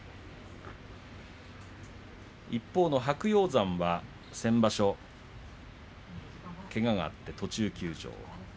一方の白鷹山、先場所けががあって途中休場です。